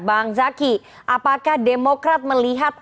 bang zaky apakah demokrat melihat